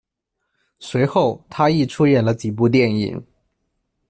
随后他亦出演了几部电影。